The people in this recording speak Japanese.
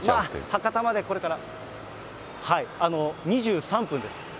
博多までこれから、２３分です。